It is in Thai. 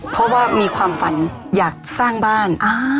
เพราะว่ามีความฝันอยากสร้างบ้าน